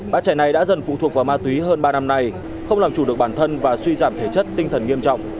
bạn trẻ này đã dần phụ thuộc vào ma túy hơn ba năm nay không làm chủ được bản thân và suy giảm thể chất tinh thần nghiêm trọng